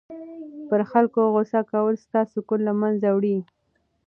پر خلکو غصه کول ستا سکون له منځه وړي.